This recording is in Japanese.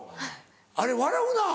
あれ笑うなぁ。